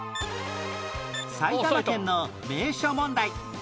埼玉県の名所問題